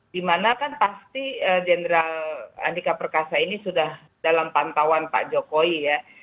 dimana kan pasti jenderal andika perkasa ini sudah dalam pantauan pak jokowi ya